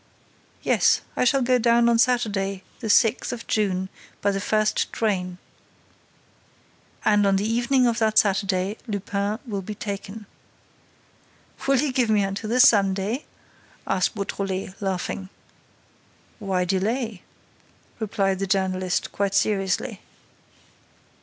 "Yes—I shall go down on Saturday the sixth of June by the first train." "And, on the evening of that Saturday, Lupin will be taken." "Will you give me until the Sunday?" asked Beautrelet, laughing. "Why delay?" replied the journalist, quite seriously.